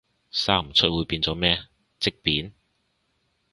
生唔出會變咗咩，積便？